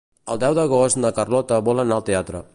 El deu d'agost na Carlota vol anar al teatre.